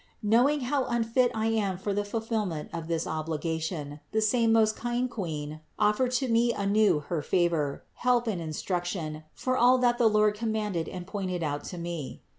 Knowing how unfit I am for the fulfillment of this obli gation, the same most kind Queen offered to me anew her favor, help and instruction for all that the Lord commanded and pointed out to me.